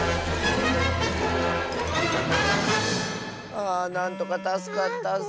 あなんとかたすかったッス。